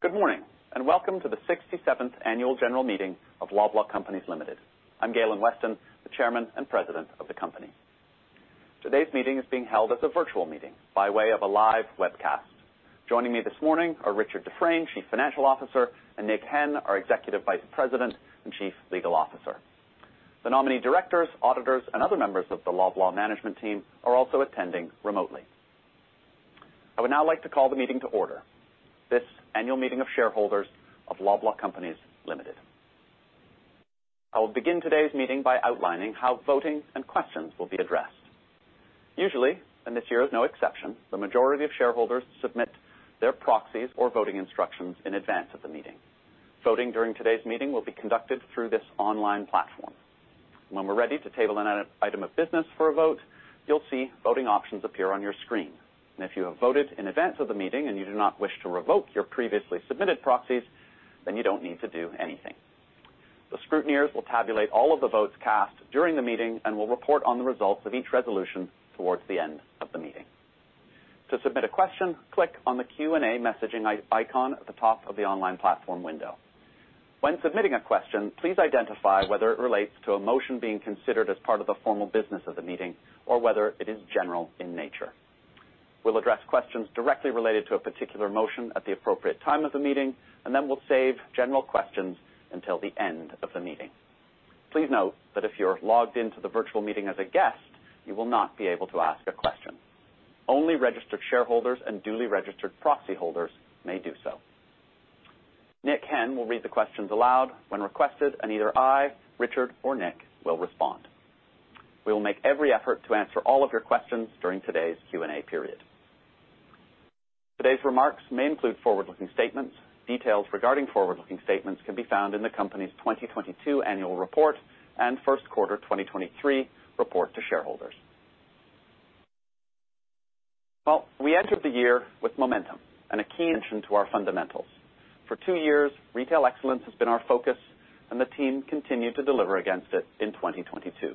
Good morning, and welcome to the 67th annual general meeting of Loblaw Companies Limited. I'm Galen G. Weston, the Chairman and President of the company. Today's meeting is being held as a virtual meeting by way of a live webcast. Joining me this morning are Richard Dufresne, Chief Financial Officer, and Nick Henn, our Executive Vice President and Chief Legal Officer. The nominee directors, auditors, and other members of the Loblaw management team are also attending remotely. I would now like to call the meeting to order this annual meeting of shareholders of Loblaw Companies Limited. I will begin today's meeting by outlining how voting and questions will be addressed. Usually, and this year is no exception, the majority of shareholders submit their proxies or voting instructions in advance of the meeting. Voting during today's meeting will be conducted through this online platform. When we're ready to table an item of business for a vote, you'll see voting options appear on your screen. If you have voted in advance of the meeting and you do not wish to revoke your previously submitted proxies, then you don't need to do anything. The scrutineers will tabulate all of the votes cast during the meeting and will report on the results of each resolution towards the end of the meeting. To submit a question, click on the Q&A messaging icon at the top of the online platform window. When submitting a question, please identify whether it relates to a motion being considered as part of the formal business of the meeting or whether it is general in nature. We'll address questions directly related to a particular motion at the appropriate time of the meeting, and then we'll save general questions until the end of the meeting. Please note that if you're logged into the virtual meeting as a guest, you will not be able to ask a question. Only registered shareholders and duly registered proxy holders may do so. Nick Henn will read the questions aloud when requested, and either I, Richard, or Nick will respond. We will make every effort to answer all of your questions during today's Q&A period. Today's remarks may include forward-looking statements. Details regarding forward-looking statements can be found in the company's 2022 annual report and first quarter 2023 report to shareholders. Well, we entered the year with momentum and a key attention to our fundamentals. For two years, retail excellence has been our focus. The team continued to deliver against it in 2022.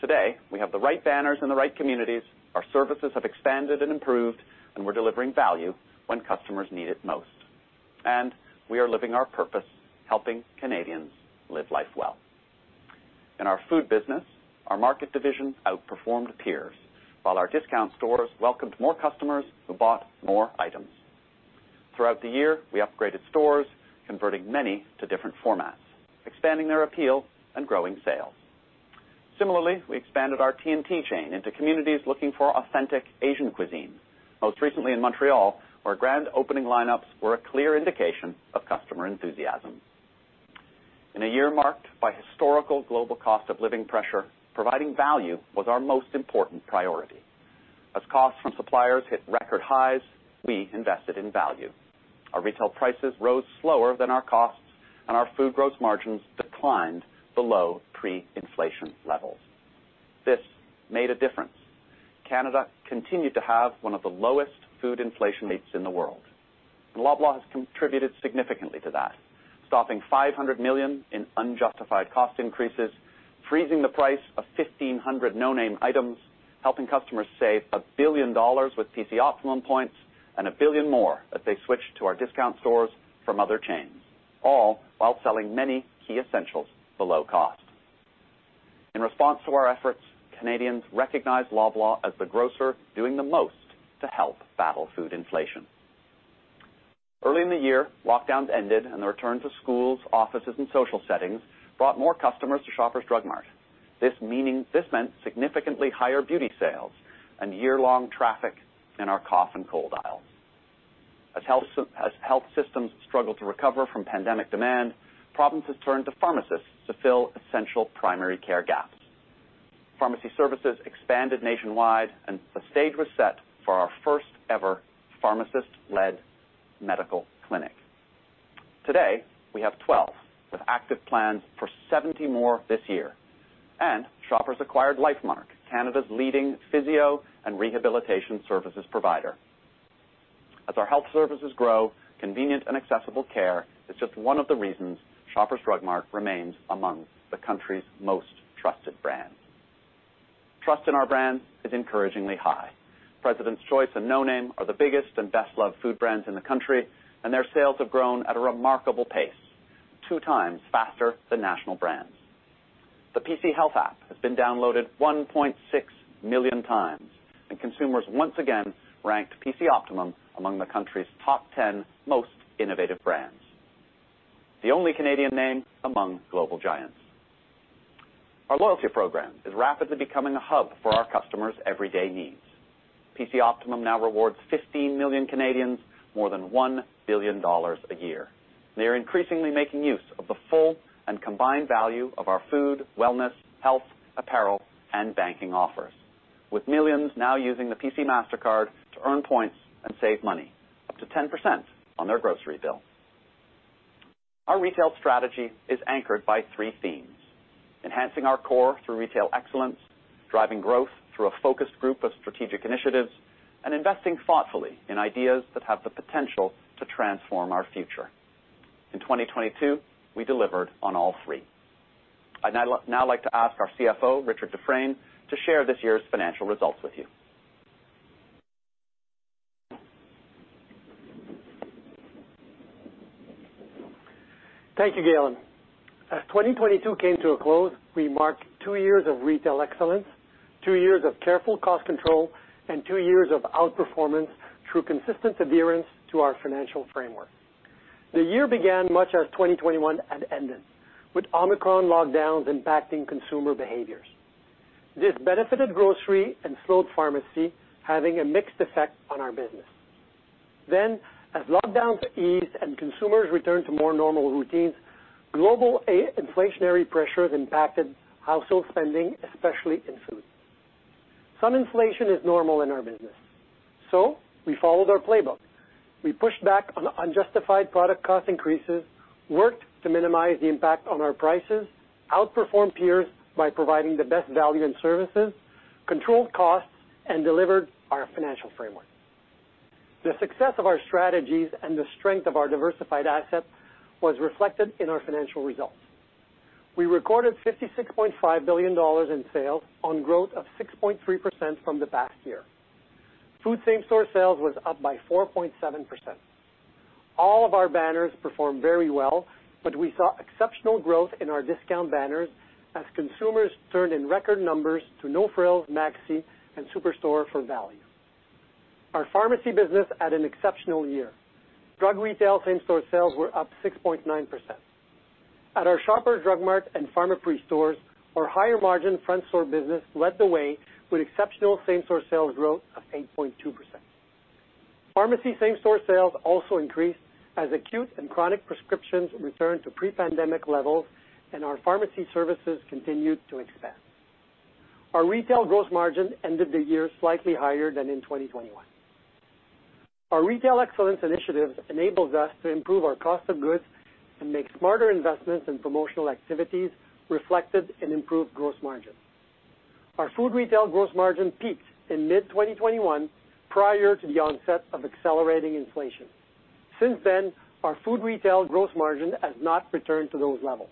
Today, we have the right banners in the right communities, our services have expanded and improved. We're delivering value when customers need it most. We are living our purpose, helping Canadians live life well. In our food business, our market division outperformed peers, while our discount stores welcomed more customers who bought more items. Throughout the year, we upgraded stores, converting many to different formats, expanding their appeal and growing sales. Similarly, we expanded our T&T chain into communities looking for authentic Asian cuisine. Most recently in Montreal, our grand opening lineups were a clear indication of customer enthusiasm. In a year marked by historical global cost of living pressure, providing value was our most important priority. As costs from suppliers hit record highs, we invested in value. Our retail prices rose slower than our costs, and our food gross margins declined below pre-inflation levels. This made a difference. Canada continued to have one of the lowest food inflation rates in the world. Loblaw has contributed significantly to that, stopping 500 million in unjustified cost increases, freezing the price of 1,500 no name items, helping customers save 1 billion dollars with PC Optimum points and 1 billion more as they switch to our discount stores from other chains, all while selling many key essentials below cost. In response to our efforts, Canadians recognize Loblaw as the grocer doing the most to help battle food inflation. Early in the year, lockdowns ended, and the return to schools, offices, and social settings brought more customers to Shoppers Drug Mart. This meant significantly higher beauty sales and year-long traffic in our cough and cold aisles. As health systems struggle to recover from pandemic demand, provinces turned to pharmacists to fill essential primary care gaps. Pharmacy services expanded nationwide, and the stage was set for our first ever pharmacist-led medical clinic. Today, we have 12, with active plans for 70 more this year. Shoppers acquired Lifemark, Canada's leading physio and rehabilitation services provider. As our health services grow, convenient and accessible care is just one of the reasons Shoppers Drug Mart remains among the country's most trusted brands. Trust in our brand is encouragingly high. President's Choice and no name are the biggest and best-loved food brands in the country, and their sales have grown at a remarkable pace, 2 times faster than national brands. The PC Health app has been downloaded 1.6 million times, and consumers once again ranked PC Optimum among the country's top 10 most innovative brands, the only Canadian name among global giants. Our loyalty program is rapidly becoming a hub for our customers' everyday needs. PC Optimum now rewards 15 million Canadians more than 1 billion dollars a year. They are increasingly making use of the full and combined value of our food, wellness, health, apparel, and banking offers, with millions now using the PC Mastercard to earn points and save money, up to 10% on their grocery bill. Our retail strategy is anchored by three themes: enhancing our core through retail excellence, driving growth through a focused group of strategic initiatives, and investing thoughtfully in ideas that have the potential to transform our future. In 2022, we delivered on all three. I'd now like to ask our CFO, Richard Dufresne, to share this year's financial results with you. Thank you, Galen. As 2022 came to a close, we marked 2 years of retail excellence, 2 years of careful cost control, and 2 years of outperformance through consistent adherence to our financial framework. The year began much as 2021 had ended, with Omicron lockdowns impacting consumer behaviors. This benefited grocery and slowed pharmacy, having a mixed effect on our business. As lockdowns eased and consumers returned to more normal routines, global inflationary pressures impacted household spending, especially in food. Some inflation is normal in our business, we followed our playbook. We pushed back on unjustified product cost increases, worked to minimize the impact on our prices, outperformed peers by providing the best value and services, controlled costs, and delivered our financial framework. The success of our strategies and the strength of our diversified assets was reflected in our financial results. We recorded 56.5 billion dollars in sales on growth of 6.3% from the past year. Food same-store sales was up by 4.7%. All of our banners performed very well. We saw exceptional growth in our discount banners as consumers turned in record numbers to No Frills, Maxi, and Superstore for value. Our pharmacy business had an exceptional year. Drug retail same-store sales were up 6.9%. At our Shoppers Drug Mart and Pharmaprix stores, our higher margin front store business led the way with exceptional same-store sales growth of 8.2%. Pharmacy same-store sales also increased as acute and chronic prescriptions returned to pre-pandemic levels. Our pharmacy services continued to expand. Our retail gross margin ended the year slightly higher than in 2021. Our retail excellence initiatives enables us to improve our cost of goods and make smarter investments in promotional activities reflected in improved gross margin. Our food retail gross margin peaked in mid-2021 prior to the onset of accelerating inflation. Since then, our food retail gross margin has not returned to those levels.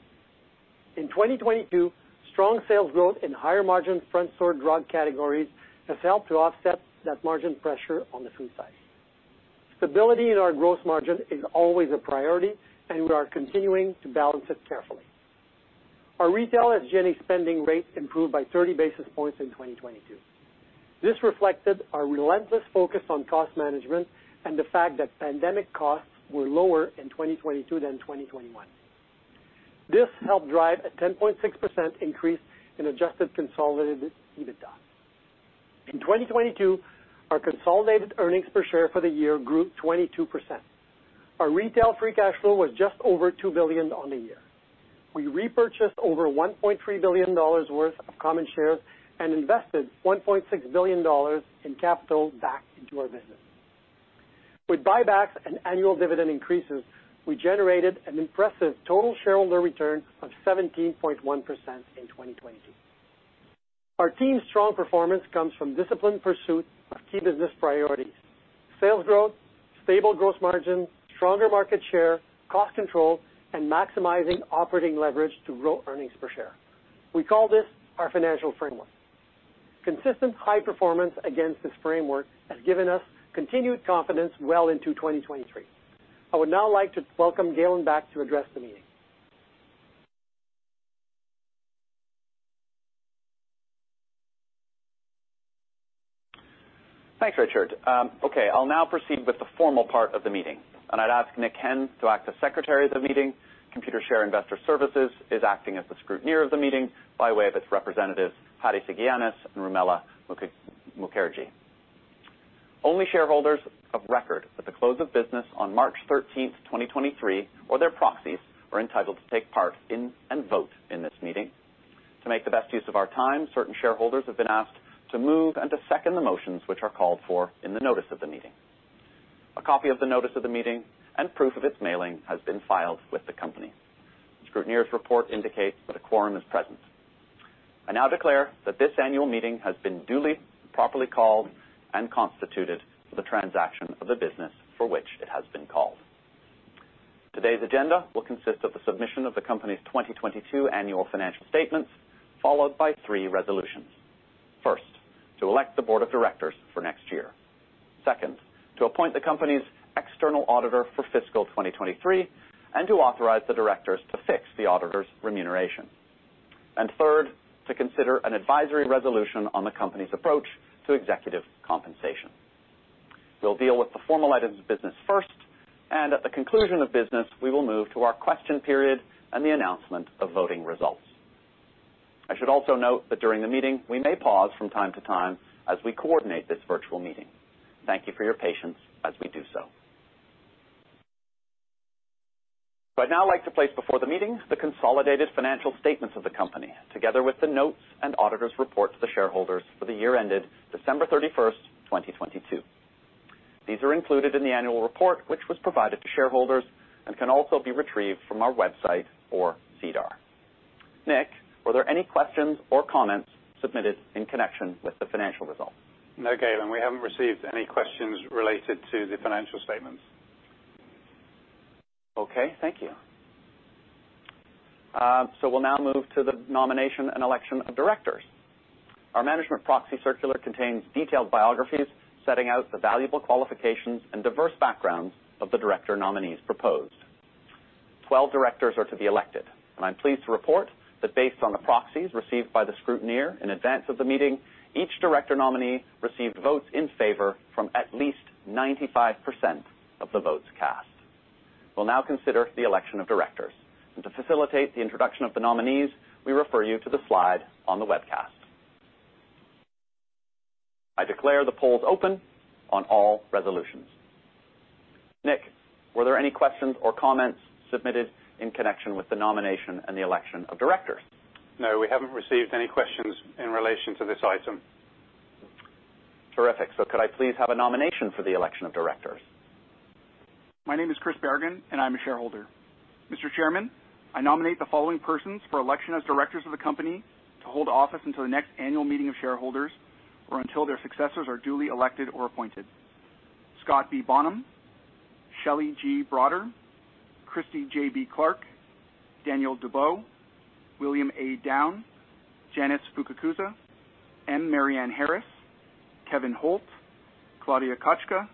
In 2022, strong sales growth in higher margin front store drug categories has helped to offset that margin pressure on the food side. Stability in our gross margin is always a priority, and we are continuing to balance it carefully. Our retail SG&A spending rate improved by 30 basis points in 2022. This reflected our relentless focus on cost management and the fact that pandemic costs were lower in 2022 than in 2021. This helped drive a 10.6% increase in adjusted consolidated EBITDA. In 2022, our consolidated earnings per share for the year grew 22%. Our retail free cash flow was just over 2 billion on the year. We repurchased over 1.3 billion dollars worth of common shares and invested 1.6 billion dollars in capital back into our business. With buybacks and annual dividend increases, we generated an impressive total shareholder return of 17.1% in 2022. Our team's strong performance comes from disciplined pursuit of key business priorities, sales growth, stable gross margin, stronger market share, cost control, and maximizing operating leverage to grow earnings per share. We call this our financial framework. Consistent high performance against this framework has given us continued confidence well into 2023. I would now like to welcome Galen back to address the meeting. Thanks, Richard. Okay, I'll now proceed with the formal part of the meeting. I'd ask Nick Henn to act as secretary of the meeting. Computershare Investor Services is acting as the scrutineer of the meeting by way of its representatives, Harry Tsigounis and Rumela Mukherjee. Only shareholders of record at the close of business on March 13th, 2023, or their proxies, are entitled to take part in and vote in this meeting. To make the best use of our time, certain shareholders have been asked to move and to second the motions which are called for in the notice of the meeting. A copy of the notice of the meeting and proof of its mailing has been filed with the company. Scrutineer's report indicates that a quorum is present. I now declare that this annual meeting has been duly, properly called and constituted for the transaction of the business for which it has been called. Today's agenda will consist of the submission of the company's 2022 annual financial statements, followed by three resolutions. First, to elect the board of directors for next year. Second, to appoint the company's external auditor for fiscal 2023 and to authorize the directors to fix the auditor's remuneration. Third, to consider an advisory resolution on the company's approach to executive compensation. We'll deal with the formal items of business first, at the conclusion of business, we will move to our question period and the announcement of voting results. I should also note that during the meeting, we may pause from time to time as we coordinate this virtual meeting. Thank you for your patience as we do so. I'd now like to place before the meeting the consolidated financial statements of the company, together with the notes and auditor's report to the shareholders for the year ended December 31, 2022. These are included in the annual report, which was provided to shareholders and can also be retrieved from our website or SEDAR. Nick, were there any questions or comments submitted in connection with the financial results? No, Galen, we haven't received any questions related to the financial statements. Okay, thank you. We'll now move to the nomination and election of directors. Our management proxy circular contains detailed biographies setting out the valuable qualifications and diverse backgrounds of the director nominees proposed. 12 directors are to be elected, and I'm pleased to report that based on the proxies received by the scrutineer in advance of the meeting, each director nominee received votes in favor from at least 95% of the votes cast. We'll now consider the election of directors. To facilitate the introduction of the nominees, we refer you to the slide on the webcast. I declare the polls open on all resolutions. Nick, were there any questions or comments submitted in connection with the nomination and the election of directors? No, we haven't received any questions in relation to this item. Terrific. Could I please have a nomination for the election of directors? My name is Chris Bergen. I'm a shareholder. Mr. Chairman, I nominate the following persons for election as directors of the company to hold office until the next annual meeting of shareholders or until their successors are duly elected or appointed. Scott B. Bonham, Shelley G. Broader, Christy J.B. Clark, Daniel Debow, William A. Downe, Janice Fukakusa, M. Marianne Harris, Kevin Holt, Claudia Kotchka,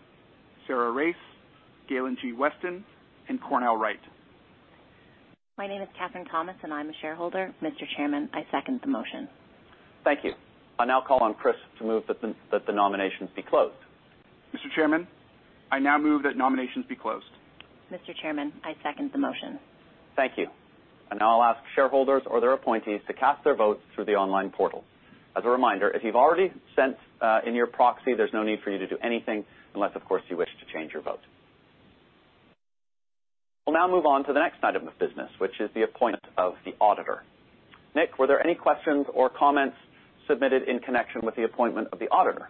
Sarah Raiss, Galen G. Weston, and Cornell Wright. My name is Catherine Thomas, and I'm a shareholder. Mr. Chairman, I second the motion. Thank you. I now call on Chris to move that the nominations be closed. Mr. Chairman, I now move that nominations be closed. Mr. Chairman, I second the motion. Thank you. I now ask shareholders or their appointees to cast their votes through the online portal. As a reminder, if you've already sent in your proxy, there's no need for you to do anything, unless, of course, you wish to change your vote. We'll now move on to the next item of business, which is the appointment of the auditor. Nick, were there any questions or comments submitted in connection with the appointment of the auditor?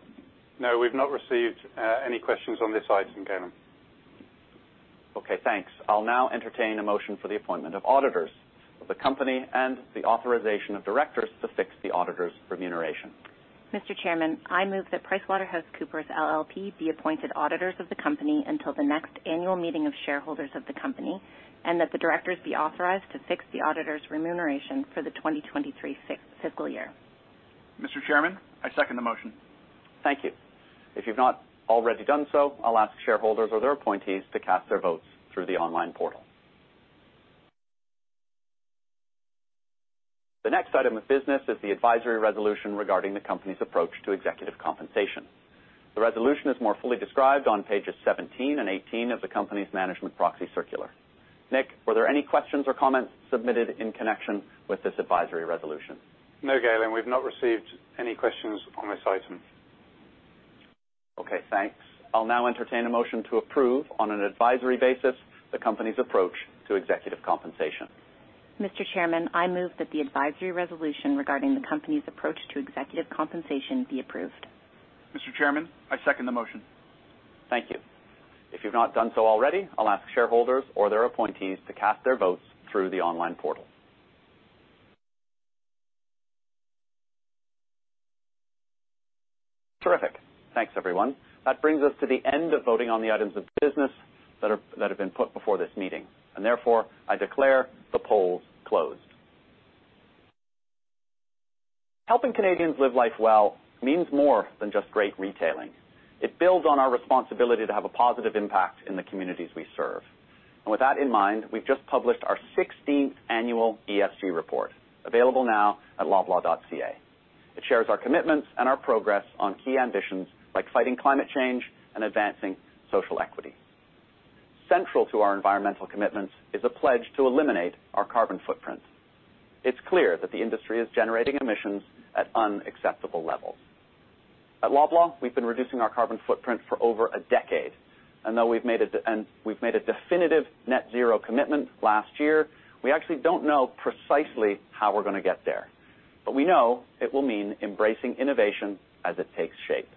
No, we've not received, any questions on this item, Galen. Okay, thanks. I'll now entertain a motion for the appointment of auditors of the company and the authorization of directors to fix the auditors' remuneration. Mr. Chairman, I move that PricewaterhouseCoopers LLP be appointed auditors of the company until the next annual meeting of shareholders of the company, and that the directors be authorized to fix the auditors' remuneration for the 2023 fiscal year. Mr. Chairman, I second the motion. Thank you. If you've not already done so, I'll ask shareholders or their appointees to cast their votes through the online portal. The next item of business is the advisory resolution regarding the company's approach to executive compensation. The resolution is more fully described on pages 17 and 18 of the company's management proxy circular. Nick, were there any questions or comments submitted in connection with this advisory resolution? No, Galen, we've not received any questions on this item. Okay, thanks. I'll now entertain a motion to approve on an advisory basis the company's approach to executive compensation. Mr. Chairman, I move that the advisory resolution regarding the company's approach to executive compensation be approved. Mr. Chairman, I second the motion. Thank you. If you've not done so already, I'll ask shareholders or their appointees to cast their votes through the online portal. Terrific. Thanks, everyone. That brings us to the end of voting on the items of business that have been put before this meeting. Therefore, I declare the polls closed. Helping Canadians live life well means more than just great retailing. It builds on our responsibility to have a positive impact in the communities we serve. With that in mind, we've just published our 16th annual ESG report, available now at loblaw.ca. It shares our commitments and our progress on key ambitions like fighting climate change and advancing social equity. Central to our environmental commitments is a pledge to eliminate our carbon footprint. It's clear that the industry is generating emissions at unacceptable levels. At Loblaw, we've been reducing our carbon footprint for over a decade. Though we've made a definitive net zero commitment last year, we actually don't know precisely how we're gonna get there. We know it will mean embracing innovation as it takes shape.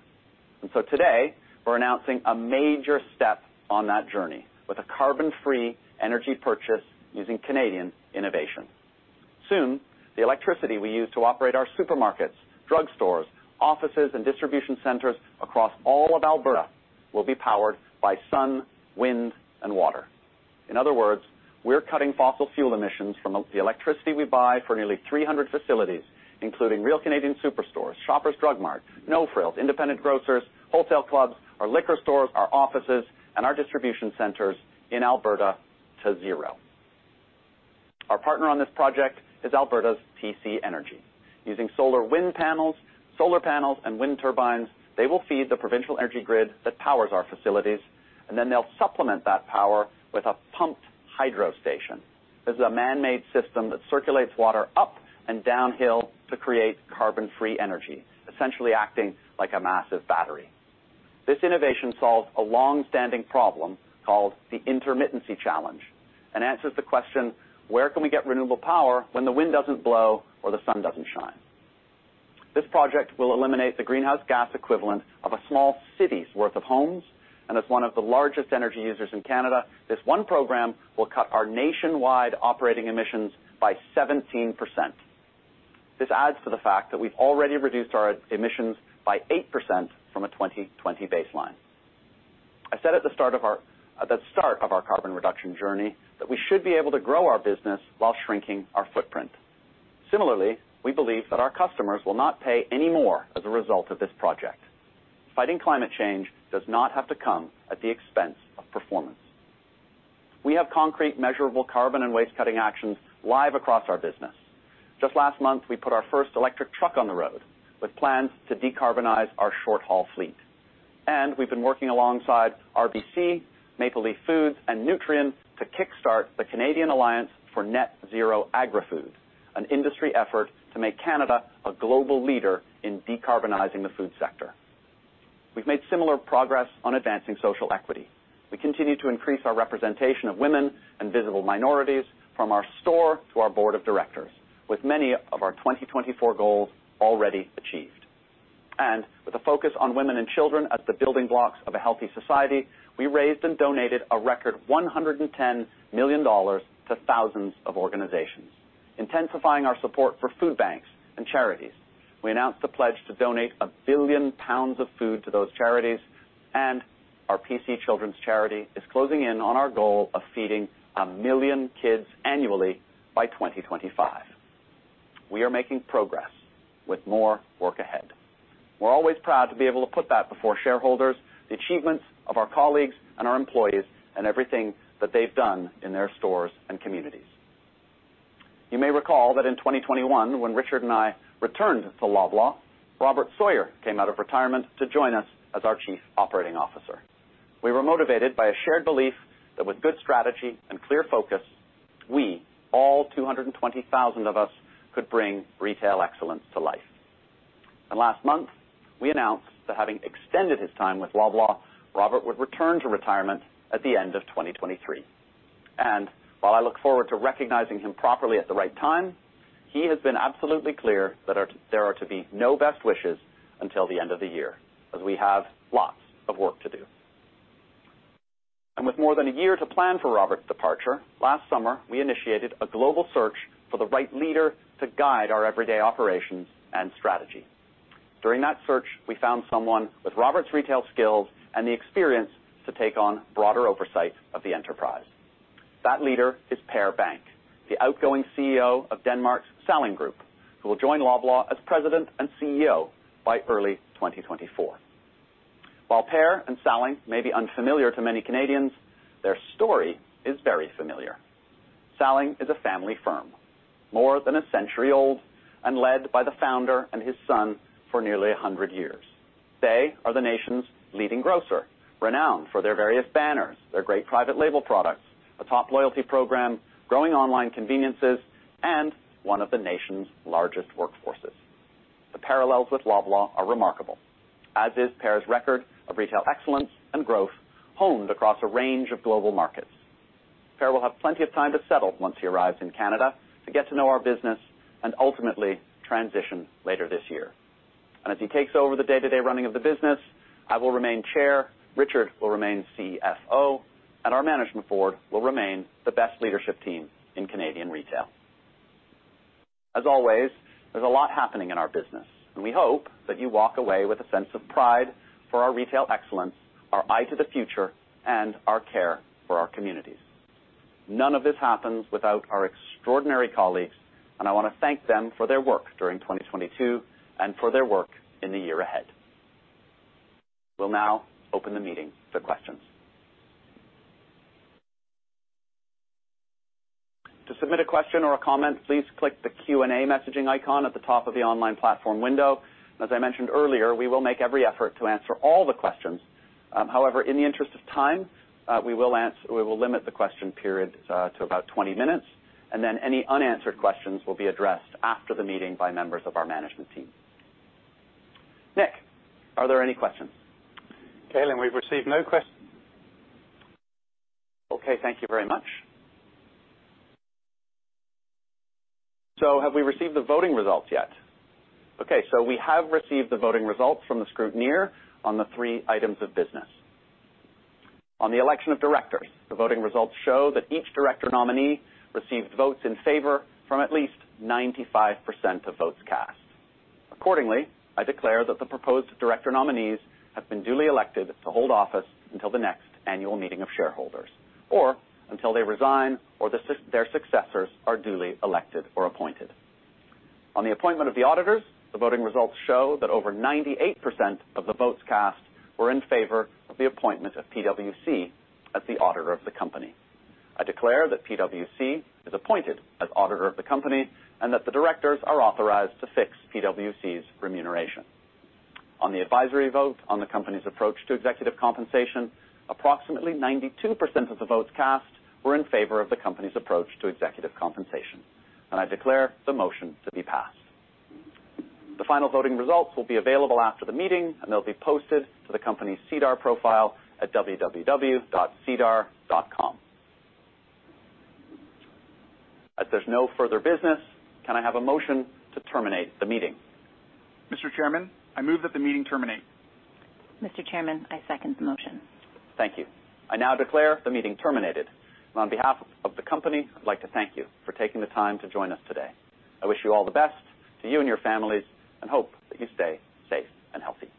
Today, we're announcing a major step on that journey with a carbon-free energy purchase using Canadian innovation. Soon, the electricity we use to operate our supermarkets, drugstores, offices, and distribution centers across all of Alberta will be powered by sun, wind, and water. In other words, we're cutting fossil fuel emissions from the electricity we buy for nearly 300 facilities, including Real Canadian Superstores, Shoppers Drug Mart, No Frills, independent grocers, wholesale clubs, our liquor stores, our offices, and our distribution centers in Alberta to zero. Our partner on this project is Alberta's TC Energy. Using solar wind panels, solar panels, and wind turbines, they will feed the provincial energy grid that powers our facilities, and then they'll supplement that power with a pumped hydro station. This is a man-made system that circulates water up and downhill to create carbon-free energy, essentially acting like a massive battery. This innovation solves a long-standing problem called the intermittency challenge and answers the question: where can we get renewable power when the wind doesn't blow or the sun doesn't shine? This project will eliminate the greenhouse gas equivalent of a small city's worth of homes. As one of the largest energy users in Canada, this one program will cut our nationwide operating emissions by 17%. This adds to the fact that we've already reduced our emissions by 8% from a 2020 baseline. I said at the start of our carbon reduction journey that we should be able to grow our business while shrinking our footprint. Similarly, we believe that our customers will not pay any more as a result of this project. Fighting climate change does not have to come at the expense of performance. We have concrete measurable carbon and waste-cutting actions live across our business. Just last month, we put our first electric truck on the road, with plans to decarbonize our short-haul fleet. We've been working alongside RBC, Maple Leaf Foods, and Nutrien to kickstart the Canadian Alliance for Net-Zero Agri-food, an industry effort to make Canada a global leader in decarbonizing the food sector. We've made similar progress on advancing social equity. We continue to increase our representation of women and visible minorities from our store to our board of directors, with many of our 2024 goals already achieved. With a focus on women and children as the building blocks of a healthy society, we raised and donated a record 110 million dollars to thousands of organizations, intensifying our support for food banks and charities. We announced the pledge to donate 1 billion pounds of food to those charities, and our PC Children's Charity is closing in on our goal of feeding 1 million kids annually by 2025. We are making progress with more work ahead. We're always proud to be able to put that before shareholders, the achievements of our colleagues and our employees, and everything that they've done in their stores and communities. You may recall that in 2021, when Richard Dufresne and I returned to Loblaw, Robert Sawyer came out of retirement to join us as our Chief Operating Officer. We were motivated by a shared belief that with good strategy and clear focus, we, all 220,000 of us, could bring retail excellence to life. Last month, we announced that having extended his time with Loblaw, Robert would return to retirement at the end of 2023. While I look forward to recognizing him properly at the right time, he has been absolutely clear that there are to be no best wishes until the end of the year, as we have lots of work to do. With more than a year to plan for Robert's departure, last summer, we initiated a global search for the right leader to guide our everyday operations and strategy. During that search, we found someone with Robert's retail skills and the experience to take on broader oversight of the enterprise. That leader is Per Bank, the outgoing CEO of Denmark's Salling Group, who will join Loblaw as President and CEO by early 2024. While Per and Salling may be unfamiliar to many Canadians, their story is very familiar. Salling is a family firm, more than a century old and led by the founder and his son for nearly 100 years. They are the nation's leading grocer, renowned for their various banners, their great private label products, a top loyalty program, growing online conveniences, and one of the nation's largest workforces. The parallels with Loblaw are remarkable, as is Per's record of retail excellence and growth, honed across a range of global markets. Per will have plenty of time to settle once he arrives in Canada to get to know our business and ultimately transition later this year. As he takes over the day-to-day running of the business, I will remain chair, Richard will remain CFO, and our management board will remain the best leadership team in Canadian retail. As always, there's a lot happening in our business, and we hope that you walk away with a sense of pride for our retail excellence, our eye to the future, and our care for our communities. None of this happens without our extraordinary colleagues, and I wanna thank them for their work during 2022 and for their work in the year ahead. We'll now open the meeting for questions. To submit a question or a comment, please click the Q&A messaging icon at the top of the online platform window. As I mentioned earlier, we will make every effort to answer all the questions. however, in the interest of time, we will limit the question period to about 20 minutes, and then any unanswered questions will be addressed after the meeting by members of our management team. Nick, are there any questions? Galen, we've received no questions. Thank you very much. Have we received the voting results yet? We have received the voting results from the scrutineer on the three items of business. On the election of directors, the voting results show that each director nominee received votes in favor from at least 95% of votes cast. Accordingly, I declare that the proposed director nominees have been duly elected to hold office until the next annual meeting of shareholders or until they resign or their successors are duly elected or appointed. On the appointment of the auditors, the voting results show that over 98% of the votes cast were in favor of the appointment of PwC as the auditor of the company. I declare that PwC is appointed as auditor of the company and that the directors are authorized to fix PwC's remuneration. On the advisory vote on the company's approach to executive compensation, approximately 92% of the votes cast were in favor of the company's approach to executive compensation. I declare the motion to be passed. The final voting results will be available after the meeting. They'll be posted to the company's SEDAR profile at www.sedar.com. There's no further business, can I have a motion to terminate the meeting? Mr. Chairman, I move that the meeting terminate. Mr. Chairman, I second the motion. Thank you. I now declare the meeting terminated. On behalf of the company, I'd like to thank you for taking the time to join us today. I wish you all the best to you and your families and hope that you stay safe and healthy.